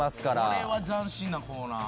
これは斬新なコーナー。